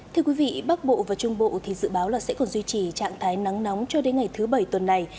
thưa quý vị bắc bộ và trung bộ thì dự báo là sẽ còn duy trì trạng thái nắng nóng cho đến ngày thứ bảy tuần này